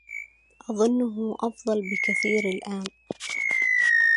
أظنه أفضل بكثير الآن.